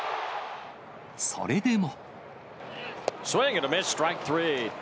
それでも。